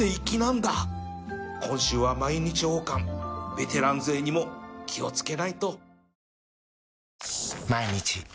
ベテラン勢にも気を付けないと